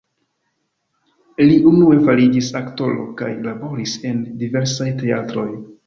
Li unue fariĝis aktoro kaj laboris en diversaj teatroj.